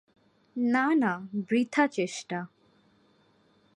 না না, বৃথা চেষ্টা।